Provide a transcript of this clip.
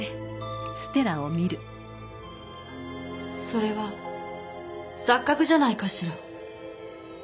それは錯覚じゃないかしら。